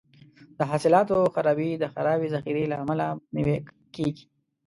د حاصلاتو خرابي د خرابې ذخیرې له امله مخنیوی کیږي.